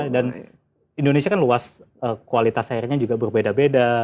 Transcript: dan indonesia kan luas kualitas airnya juga berbeda beda